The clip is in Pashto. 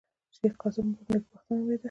د شېخ قاسم مور نېکبخته نومېده.